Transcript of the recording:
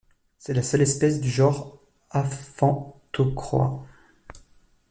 C'est la seule espèce du genre Aphantochroa.